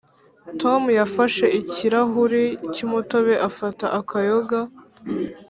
tom yafashe ikirahuri cy'umutobe afata akayoga.